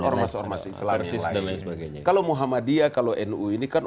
kalau muhammadiyah kalau nu ini kan organisasi yang berkaitan dengan islam